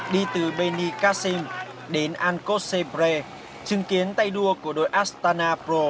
đi từ beni cacim đến ancochebre chứng kiến tay đua của đội astana